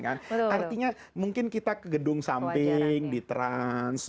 artinya mungkin kita ke gedung samping di trans